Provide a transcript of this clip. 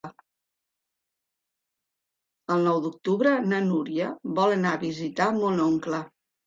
El nou d'octubre na Núria vol anar a visitar mon oncle.